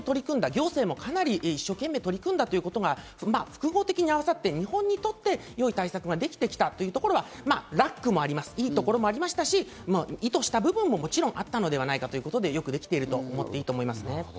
行政もかなり一生懸命取り組んだということが複合的に合わさって、日本にとって良い対策ができてきたというところがいいところもありましたし、意図した部分もあったのではないかということでできていると言っていいのではないかと思います。